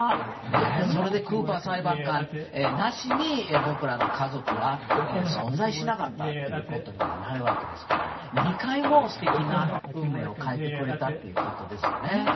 それで、クーパー裁判官なしに僕らの家族は存在しなかったということにもなるわけですから２回も素敵な運命を変えてくれたということですよね。